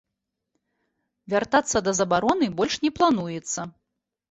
Вяртацца да забароны больш не плануецца.